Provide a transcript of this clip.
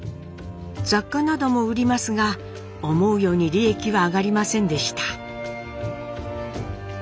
雑貨なども売りますが思うように利益は上がりませんでした。